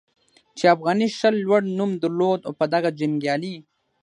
چې افغاني شل لوړ نوم درلود او په دغه جنګیالي